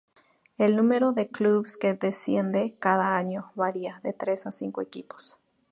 El número de clubes que desciende cada año varía, de tres a cinco equipos.